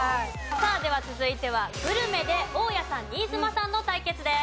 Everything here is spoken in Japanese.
さあでは続いてはグルメで大家さん新妻さんの対決です。